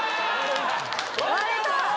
割れたぞ！